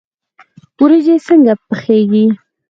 وریجې څنګه پخیږي؟